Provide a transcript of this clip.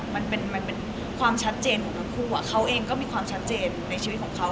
มันเป็นความชัดเจนของทั้งคู่เขาเองก็มีความชัดเจนในชีวิตของเขา